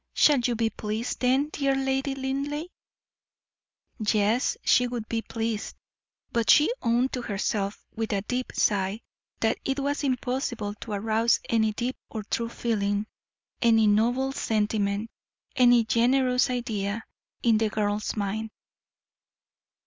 Shall you be pleased, then, dear Lady Linleigh?" Yes, she would be pleased; but she owned to herself, with a deep sigh, that it was impossible to arouse any deep or true feeling, any noble sentiment, any generous idea, in the girl's mind.